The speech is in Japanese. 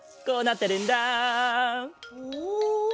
こうなってるんだ。